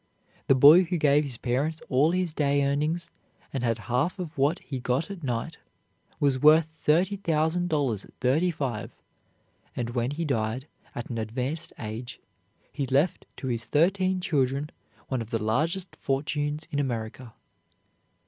The boy who gave his parents all his day earnings and had half of what he got at night, was worth thirty thousand dollars at thirty five, and when he died, at an advanced age, he left to his thirteen children one of the largest fortunes in America.